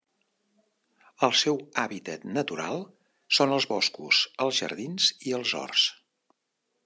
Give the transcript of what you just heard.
El seu hàbitat natural són els boscos, els jardins i els horts.